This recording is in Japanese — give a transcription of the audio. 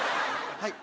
はい。